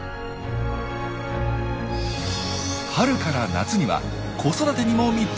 春から夏には子育てにも密着。